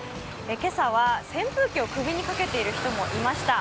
今朝は扇風機を首にかけている人もいました。